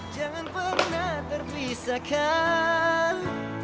jangan pernah terpisahkan